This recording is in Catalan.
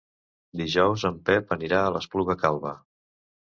Dijous en Pep anirà a l'Espluga Calba.